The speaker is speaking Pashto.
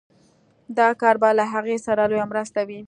دا کار به له هغوی سره لويه مرسته وي